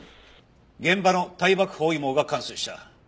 現場の対爆包囲網が完成した。